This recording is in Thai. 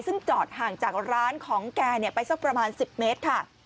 ซึ่งจอดห่างจากร้านของแกไปสักประมาณ๑๐เมตรค่ะ